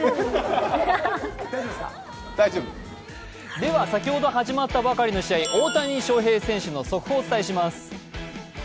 では先ほど始まったばかりの試合、大谷翔平選手の速報をお伝えします。